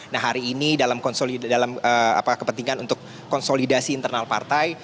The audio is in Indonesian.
nah hari ini dalam kepentingan untuk konsolidasi internal partai